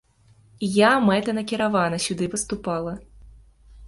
Я мэтанакіравана сюды паступала.